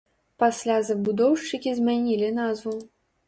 Пасля забудоўшчыкі змянілі назву.